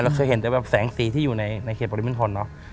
เราเคยเห็นแสงสีที่อยู่ในเขตปริมินทรเนาะ